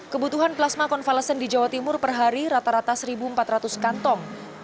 kebutuhan plasma konvalesen di jawa timur per hari rata rata satu empat ratus kantong